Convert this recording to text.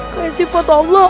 kekasih buat allah